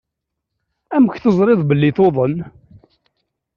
Amek teẓriḍ belli tuḍen?